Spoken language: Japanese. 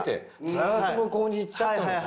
ずっと向こうに行っちゃったのさ。